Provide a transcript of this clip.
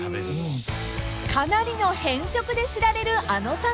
［かなりの偏食で知られるあのさん］